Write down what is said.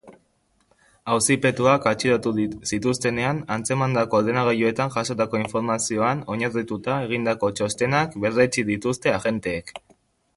Auzipetuak atxilotu zituztenean atzemandako ordenagailuetan jasotako informazioan oinarrituta egindako txostenak berretsi dituzte agenteek.